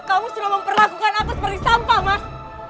kamu sudah memperlakukan aku seperti sampah mas